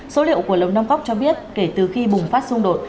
số liệu của lông đông góc cho biết kể từ khi bùng phát xung đột